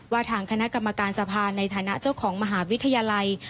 ทางคณะกรรมการสภาในฐานะเจ้าของมหาวิทยาลัย